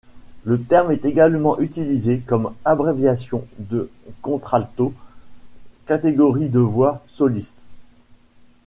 Le terme est également utilisé comme abréviation de contralto, catégorie de voix soliste.